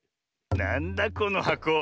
なんだこのはこ？